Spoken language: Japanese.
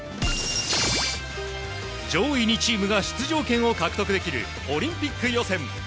上位２チームが出場権を獲得できるオリンピック予選。